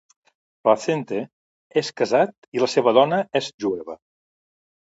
Placente és casat i la seva dona és jueva.